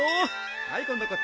はい今度こっち。